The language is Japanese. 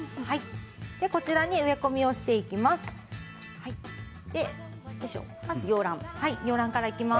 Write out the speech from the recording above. こちらに植え込みをしていきます。